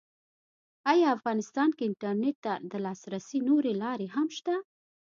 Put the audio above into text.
ایا افغانستان کې انټرنېټ ته د لاسرسي نورې لارې هم شته؟